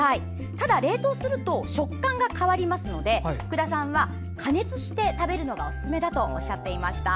ただ冷凍すると食感が変わるので福田さんは加熱して食べるのがおすすめだとおっしゃっていました。